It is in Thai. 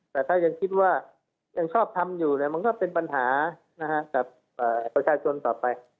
แต่ถ้ายังคิดว่ายังชอบทำอยู่มันก็เป็นปัญหากับประชาชนต่อไป